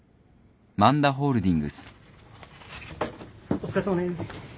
お疲れさまです。